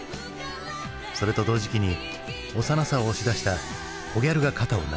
それと同時期に幼さを押し出したコギャルが肩を並べた。